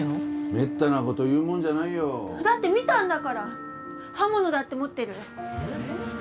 めったなこと言うもんじゃないよだって見たんだから刃物だって持ってるえっ？